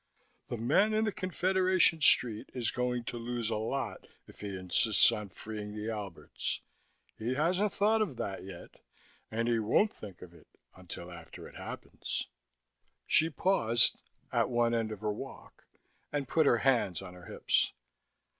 The man in the Confederation street is going to lose a lot if he insists on freeing the Alberts. He hasn't thought of that yet, and he won't think of it until after it happens." She paused, at one end of her walk, and put her hands on her hips.